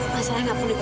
masalah gak pun dipakai